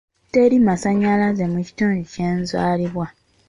Teri masannyalaze mu kitundu gye nzaalibwa.